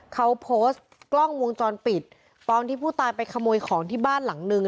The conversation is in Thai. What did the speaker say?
เขาโพสต์กล้องวงจรปิดตอนที่ผู้ตายไปขโมยของที่บ้านหลังนึง